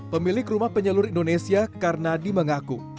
pemilik rumah penyelur indonesia karna di mengaku